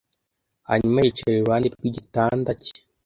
Hanyuma yicara iruhande rw'igitanda cye.